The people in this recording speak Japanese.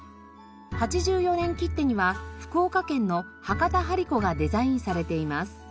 ８４円切手には福岡県の博多張子がデザインされています。